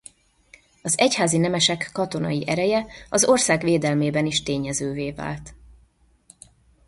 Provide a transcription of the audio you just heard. Az egyházi nemesek katonai ereje az ország védelmében is tényezővé vált.